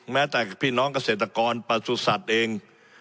แม้แต่พี่น้องเกษตรกรประสุทธิ์เอง